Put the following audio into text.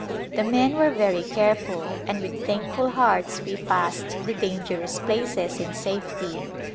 The men were very careful, and with thankful hearts we passed the dangerous places in safety.